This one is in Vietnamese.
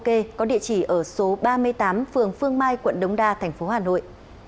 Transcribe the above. cảnh sát điều tra tội phạm về ma túy công an tp hà nội có địa chỉ ở số ba mươi tám phường phương mai quận đống đa tp hà nội